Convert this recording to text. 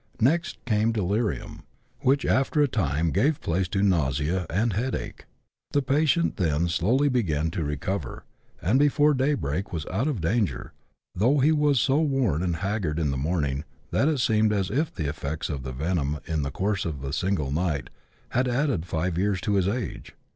Next came delirium, which after a time gave place to nausea and head ache. The patient then slowly began to recover, and before daybreak, was out of danger, though he was so worn and haggard in the morning that it seemed as if the effects of the venom, in the course of a single night, had added five years to his age.